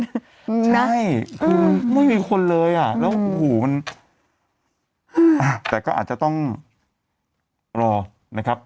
ใช่คือไม่มีคนเลยอ่ะแล้วโอ้โหมันแต่ก็อาจจะต้องรอนะครับ